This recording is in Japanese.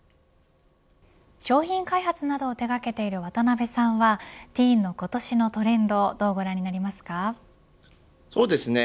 商品開発などを手がけている渡辺さんはティーンの今年のトレンドをどうそうですね。